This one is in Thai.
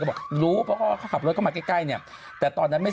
บอกรู้เพราะพ่อเขาขับรถเข้ามาใกล้ใกล้เนี่ยแต่ตอนนั้นไม่